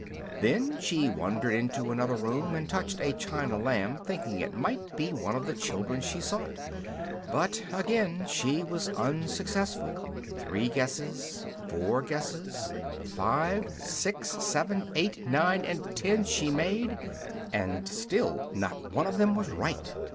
Then she wandered into another room and touched a china lamb, thinking it might be one of the children she sought. But again she was unsuccessful. Three guesses; four guesses; five, six, seven, eight, nine and ten she made, and still not one of them was right!